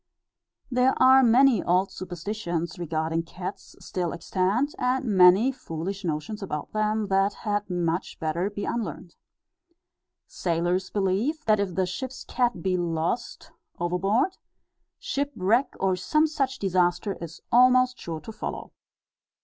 There are many old superstitions regarding cats still extant, and many foolish notions about them, that had much better be unlearned. Sailors believe, that, if the ship's cat be lost overboard, shipwreck, or some such disaster, is almost sure to follow.